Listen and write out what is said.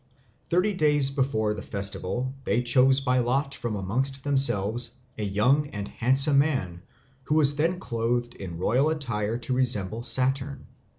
Thirty days before the festival they chose by lot from amongst themselves a young and handsome man, who was then clothed in royal attire to resemble Saturn.